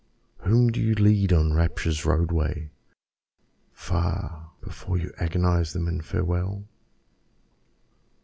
Whom do you lead on Rapture's roadway, far, Before you agonise them in farewell?